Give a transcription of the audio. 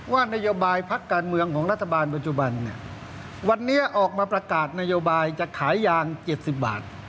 ว่านโยบายพักการเมืองของรัฐบาลปัจจุบันเนี่ยวันนี้ออกมาประกาศนโยบายจะขายยาง๗๐บาท